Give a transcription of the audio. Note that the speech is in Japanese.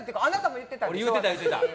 言うてた、言うてた。